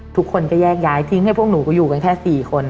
ทุกคนก็แยกย้ายทิ้งให้พวกหนูก็อยู่กันแค่๔คน